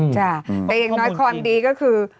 แต่ยังน้อยความดีก็คือ